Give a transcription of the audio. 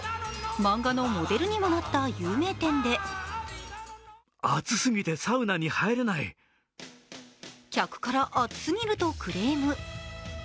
漫画のモデルにもなった有名店で客から熱すぎるとクレーム。